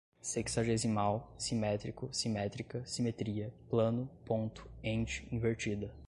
sexagesimal, simétrico, simétrica, simetria, plano, ponto, ente, invertida